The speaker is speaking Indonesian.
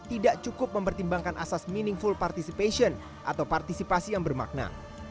tidak cukup mempertimbangkan asas meaningful participation atau partisipasi yang bermakna